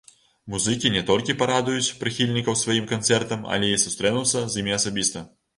Музыкі не толькі парадуюць прыхільнікаў сваім канцэртам, але і сустрэнуцца з імі асабіста.